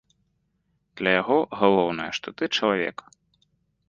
Для яго галоўнае, што ты чалавек.